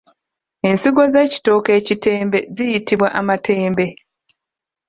Ensigo z’ekitooke ekitembe ziyitibwa amatembe.